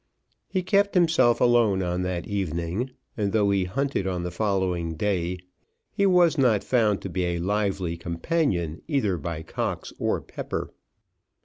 He kept himself alone on that evening; and though he hunted on the following day, he was not found to be a lively companion either by Cox or Pepper.